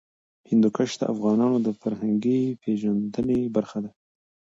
هندوکش د افغانانو د فرهنګي پیژندنې برخه ده.